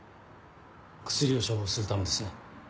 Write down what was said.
薬を処方するためですね？